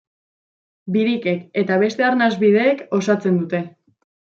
Birikek eta beste arnas bideek osatzen dute.